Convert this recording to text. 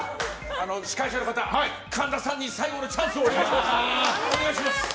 司会者の方神田さんに最後のチャンスをお願いします。